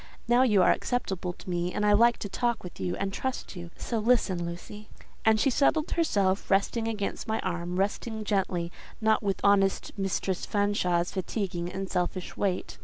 Now you are acceptable to me, and I like to talk with and trust you. So listen, Lucy." And she settled herself, resting against my arm—resting gently, not with honest Mistress Fanshawe's fatiguing and selfish weight.